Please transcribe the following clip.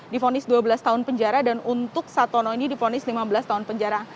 difonis dua belas tahun penjara dan untuk satono ini difonis lima belas tahun penjara